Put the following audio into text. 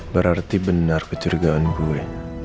berarti benar kejurigaan gue